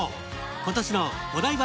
今年のお台場